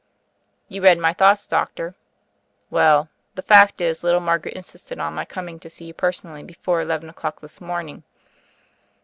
"You read my thoughts, Doctor." "Well, the fact is little Margaret insisted on my coming to see you personally before eleven o'clock this morning.